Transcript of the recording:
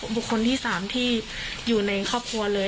ไม่เรื่องจริงเลย